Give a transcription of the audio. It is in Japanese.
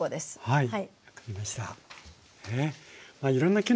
はい。